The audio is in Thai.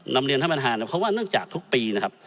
นำเรียนท่านประธานนะครับเพราะว่าเนื่องจากทุกปีนะครับ